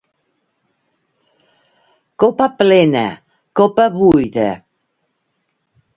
Copa plena, copa buida.